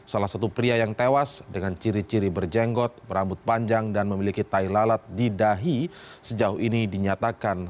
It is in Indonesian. salah satu pria yang tewas dengan ciri ciri berjenggot berambut panjang dan memiliki tai lalat di dahi sejauh ini dinyatakan